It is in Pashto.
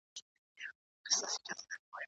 لوی انسانان تل د نورو خلکو تېروتني بخښي.